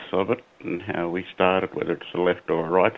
dan bagaimana kita mulai apakah itu kiri atau kiri